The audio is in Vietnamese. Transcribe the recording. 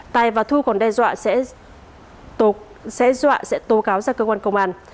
tài và thu còn đe dọa sẽ tố cáo ra cơ quan công an